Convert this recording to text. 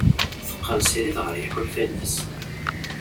Teqqen srid ɣer yiḥulfan-is.